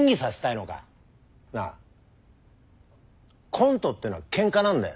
コントってのはケンカなんだよ。